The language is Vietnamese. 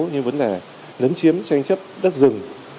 như vấn đề nấn chiếm tranh chấp đất rừng